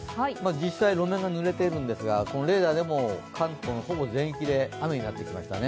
実際路面がぬれているんですが、レーダーでも関東のほぼ全域で雨になってきましたね。